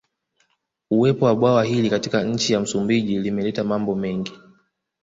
Uwepo wa bwawa hili katika nchi ya Msumbiji limeleta mambo mengi